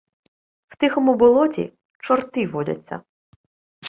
В тихому болоті чорти водяться.